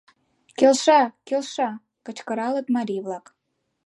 — Келша, келша! — кычкыралыт марий-влак.